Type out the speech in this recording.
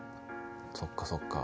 そっかそっか。